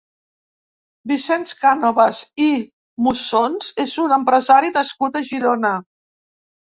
Vicenç Cànovas i Mussons és un empresari nascut a Girona.